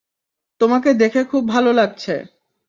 তোমাকে দেখে খুব ভালো লাগছে।